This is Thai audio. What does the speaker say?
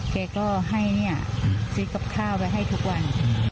แกก็ให้เนี่ยซื้อกับข้าวไว้ให้ทุกวัน